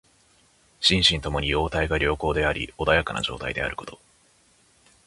心身ともに様態が良好であり穏やかな状態であること。